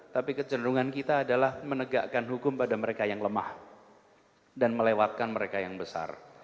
tapi kecenderungan kita adalah menegakkan hukum pada mereka yang lemah dan melewatkan mereka yang besar